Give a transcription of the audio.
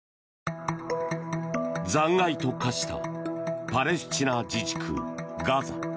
残骸と化したパレスチナ自治区ガザ。